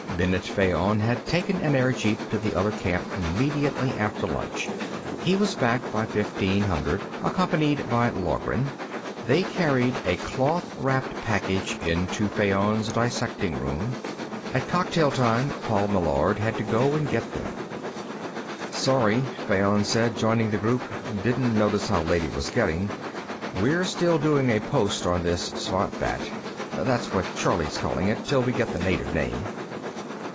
Bennet Fayon had taken an airjeep to the other camp immediately after lunch. He was back by 1500, accompanied by Loughran. They carried a cloth wrapped package into Fayon's dissecting room. At cocktail time, Paul Meillard had to go and get them. "Sorry," Fayon said, joining the group. "Didn't notice how late it was getting. We're still doing a post on this svant bat; that's what Charley's calling it, till we get the native name.